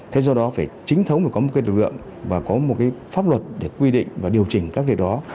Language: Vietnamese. thế do đó phải chính thống phải có một cái lực lượng và có một cái pháp luật để quy định và điều chỉnh các việc đó